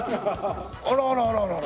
あらあらあらあら。